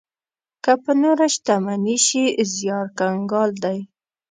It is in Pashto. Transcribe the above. که په نوره شتمني شي زيار کنګال دی.